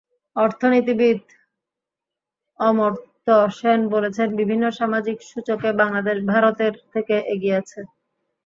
অর্থনীতিবিদ অমর্ত্য সেন বলেছেন, বিভিন্ন সামাজিক সূচকে বাংলাদেশ ভারতের থেকে এগিয়ে আছে।